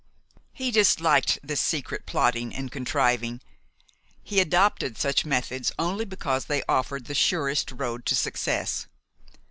He disliked this secret plotting and contriving. He adopted such methods only because they offered the surest road to success.